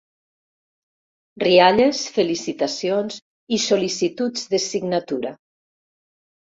Rialles, felicitacions i sol·licituds de signatura.